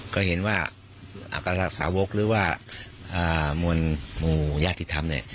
ก็เห็นว่าอากาศสาวกหรือว่ามูญาติธรรมเนี่ย